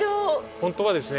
本当はですね